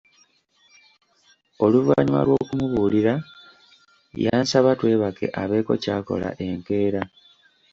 Oluvannyuma lw'okumubuulira yansaba twebake abeeko ky'akola enkeera.